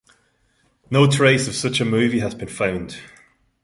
No trace of such a movie has been found.